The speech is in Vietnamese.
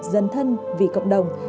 dân thân vì cộng đồng